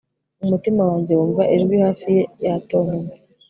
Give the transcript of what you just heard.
umutima wanjye wumva ijwi hafi ye yatontomye